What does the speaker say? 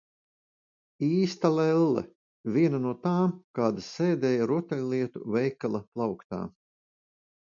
Īsta lelle, viena no tām, kādas sēdēja rotaļlietu veikala plauktā.